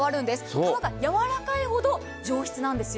皮がやわらかいほど上質なんですよ。